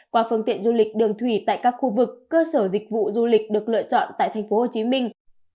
qua phương tiện du lịch đường thủy tại các khu vực cơ sở dịch vụ du lịch được lựa chọn tại thành phố hồ chí minh